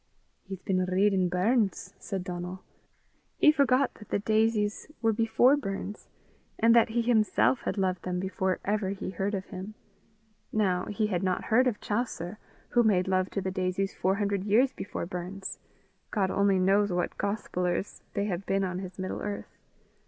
"He's been readin' Burns!" said Donal. He forgot that the daisies were before Burns, and that he himself had loved them before ever he heard of him. Now, he had not heard of Chaucer, who made love to the daisies four hundred years before Burns. God only knows what gospellers they have been on his middle earth.